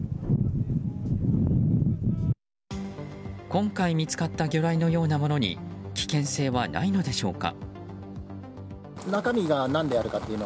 今回見つかった魚雷のようなものに危険性はないのでしょうか。